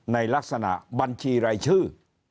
ในลักษณะบัญชีรายชื่อ